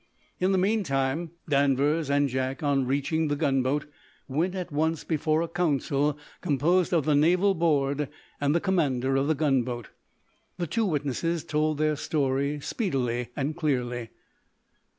In the meantime, Danvers and Jack, on reaching the gunboat, went at once before a council composed of the naval board and the commander of the gunboat. The two witnesses told their story speedily and clearly.